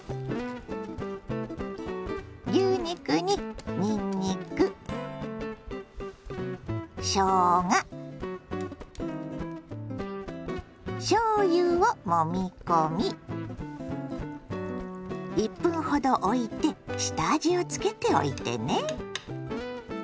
牛肉ににんにくしょうがしょうゆをもみ込み１分ほどおいて下味をつけておいてね。